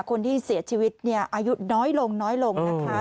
คนที่เสียชีวิตอายุน้อยลงนะคะ